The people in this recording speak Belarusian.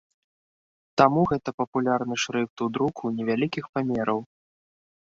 Таму гэта папулярны шрыфт у друку невялікіх памераў.